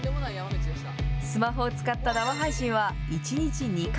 スマホを使った生配信は、１日２回。